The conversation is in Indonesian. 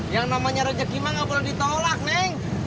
yang namanya rejek gima gak boleh ditolak neng